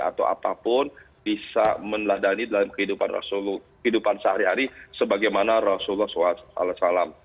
atau apapun bisa meladani dalam kehidupan rasulullah saw